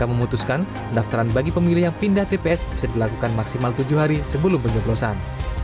memutuskan pendaftaran bagi pemilih yang pindah tps bisa dilakukan maksimal tujuh hari sebelum pencoblosan